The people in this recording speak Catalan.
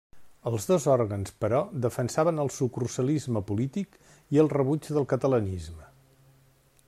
Els dos òrgans, però, defensaven el sucursalisme polític i el rebuig del catalanisme.